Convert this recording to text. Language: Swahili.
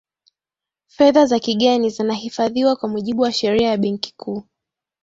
fedha za kigeni zinahifadhiwa kwa mujibu wa sheria ya benki kuu